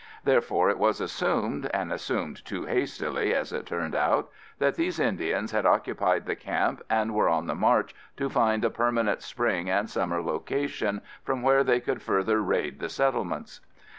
Therefore, it was assumed, and assumed too hastily as it turned out, that these Indians had occupied the camp and were on the march to find a permanent spring and summer location from where they could further raid the settlements.